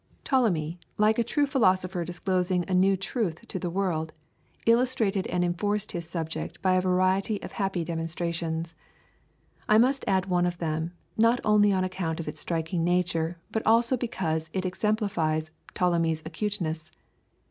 Ptolemy, like a true philosopher disclosing a new truth to the world, illustrated and enforced his subject by a variety of happy demonstrations. I must add one of them, not only on account of its striking nature, but also because it exemplifies Ptolemy's acuteness.